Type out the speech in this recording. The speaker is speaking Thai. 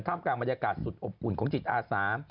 กลางบรรยากาศสุดอบอุ่นของจิตอาสา